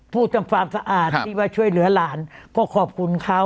ทำความสะอาดที่ว่าช่วยเหลือหลานก็ขอบคุณเขา